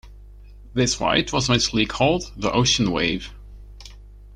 This ride was originally called "The Ocean Wave".